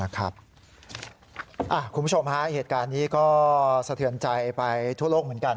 คุณผู้ชมฮะเหตุการณ์นี้ก็สะเทือนใจไปทั่วโลกเหมือนกัน